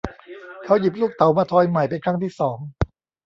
เขาหยิบลูกเต๋ามาทอยใหม่เป็นครั้งที่สอง